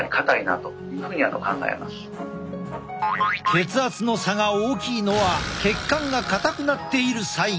血圧の差が大きいのは血管が硬くなっているサイン。